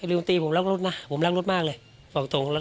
อีกทีผมวแล้ว